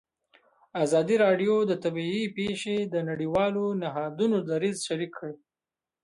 ازادي راډیو د طبیعي پېښې د نړیوالو نهادونو دریځ شریک کړی.